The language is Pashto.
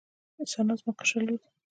ثنا زما کشره لور ده